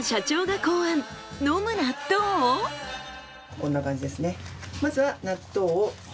こんな感じですね。